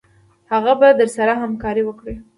هغه به درسره همکاري وکړي.